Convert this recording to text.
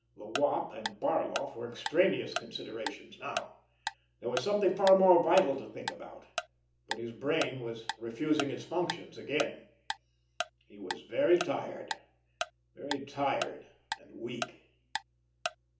The Wop and Barloff were extraneous considerations now. There was something far more vital to think about, but his brain was refusing its functions again. He was very tired—very tired and weak.